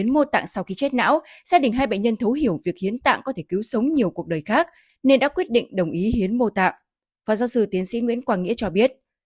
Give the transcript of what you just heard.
mô tạng sau khi chết não gia đình hai bệnh nhân thấu hiểu việc hiến tạng có thể cứu sống nhiều cuộc đời khác nên đã quyết định đồng ý hiến mô tạng phó giáo sư tiến sĩ nguyễn quang nghĩa cho biết